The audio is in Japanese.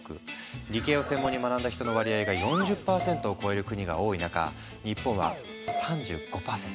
理系を専門に学んだ人の割合が４０％を超える国が多い中日本は３５％。